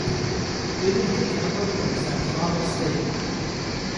It is the capital of Zamfara State.